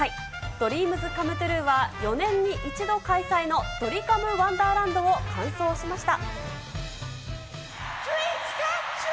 ＤＲＥＡＭＳＣＯＭＥＴＲＵＥは、４年に１度開催のドリカムワンダーランドを完走しました。